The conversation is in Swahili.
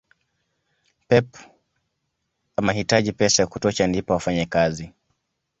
pep amahitaji pesa ya kutosha ndipo afanye kazi